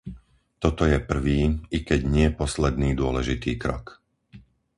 Toto je prvý, i keď nie posledný dôležitý krok.